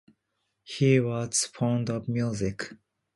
He was fond of music.